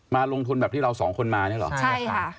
มาลงทุนแบบที่เราสองคนมาเนี่ยเหรอใช่ค่ะ